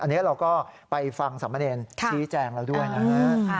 อันนี้เราก็ไปฟังสามเณรชี้แจงเราด้วยนะฮะ